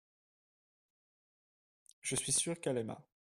Je suis sûr qu’elle aima.